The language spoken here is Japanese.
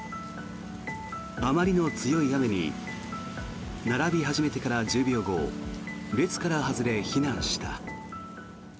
あまりの強い雨に並び始めてから１０秒後列から外れ、避難した。